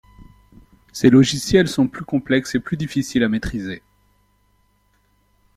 Ces logiciels sont plus complexes et plus difficiles à maitriser.